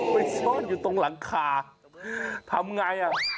ไปซ่อนอยู่ตรงหลังคาทำไงอ่ะ